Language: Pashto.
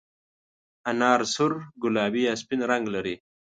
انار سور، ګلابي یا سپین رنګ لري.